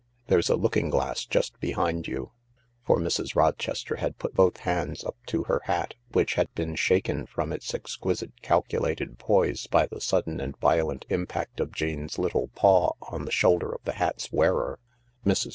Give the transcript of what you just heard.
There's a looking glass just behind you." For Mrs. Rochester had put both hands up to her hat, which had been shaken from its exquisite calculated poise by the sudden and violent impact of Jane's little paw on the shoulder of the hat's wearer. Mrs.